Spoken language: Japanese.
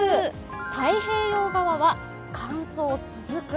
太平洋側は、乾燥続く。